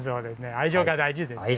愛情が大事ですはい。